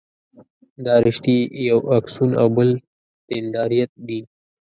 دا رشتې یو اکسون او بل دنداریت دي.